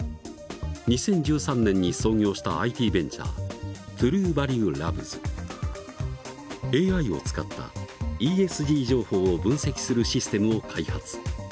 ２０１３年に創業したＩＴベンチャーＡＩを使ったＥＳＧ情報を分析するシステムを開発。